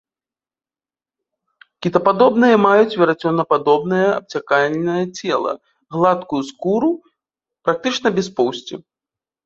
Кітападобныя маюць верацёнападобнае абцякальнае цела, гладкую скуру, практычна без поўсці.